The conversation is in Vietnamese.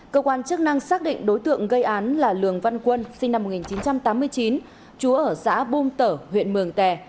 cơ quan chức năng xác định đối tượng gây án là lường văn quân sinh năm một nghìn chín trăm tám mươi chín chú ở xã bùm tở huyện mường tè